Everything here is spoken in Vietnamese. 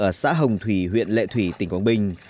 ở xã hồng thủy huyện lệ thủy tỉnh quảng bình